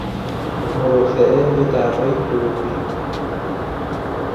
مرافعه یا دعوای حقوقی